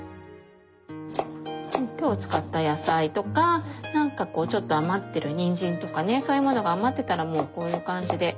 今日使った野菜とかなんかこうちょっと余ってるにんじんとかねそういうものが余ってたらもうこういう感じで。